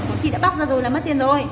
có khi đã bóc ra rồi là mất tiền rồi